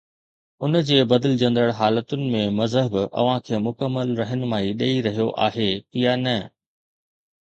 ان جي بدلجندڙ حالتن ۾ مذهب اوهان کي مڪمل رهنمائي ڏئي رهيو آهي يا نه؟